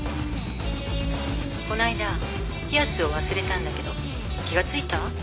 こないだピアスを忘れたんだけど気が付いた？